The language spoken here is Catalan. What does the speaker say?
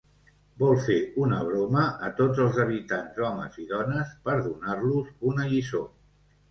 Vol fer una broma a tots els habitants -homes i dones- per donar-los una lliçó.